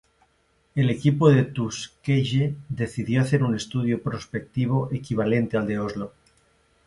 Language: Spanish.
El equipo de Tuskegee decidió hacer un estudio prospectivo equivalente al de Oslo.